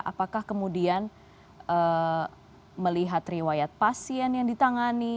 apakah kemudian melihat riwayat pasien yang ditangani